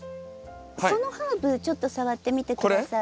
そのハーブちょっと触ってみて下さい。